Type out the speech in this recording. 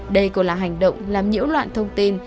đây còn là hành động làm nhiễu loạn thông tin